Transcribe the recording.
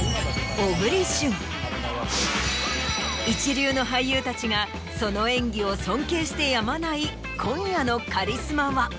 一流の俳優たちがその演技を尊敬してやまない今夜のカリスマは。